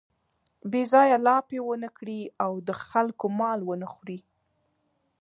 بې ځایه لاپې و نه کړي او د خلکو مال و نه خوري.